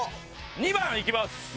２番いきます！